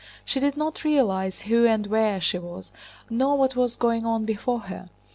She did not realize who and where she was, nor what was going on before her.